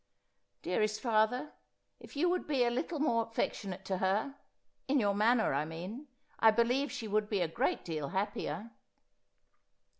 ' Dearest father, if you would be a little more affectionate to her — in your manner, I mean— I believe she would be a great deal happier.'